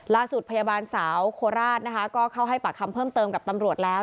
พยาบาลสาวโคราชนะคะก็เข้าให้ปากคำเพิ่มเติมกับตำรวจแล้ว